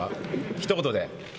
ひと言で。